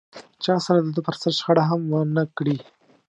چا سره دده پر سر شخړه هم و نه کړي.